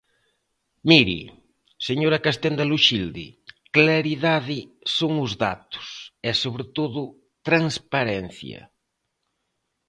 Mire, señora Castenda Loxilde, claridade son os datos, e sobre todo transparencia.